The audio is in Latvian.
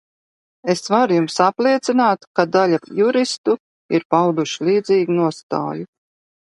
Es varu jums apliecināt, ka daļa juristu ir pauduši līdzīgu nostāju.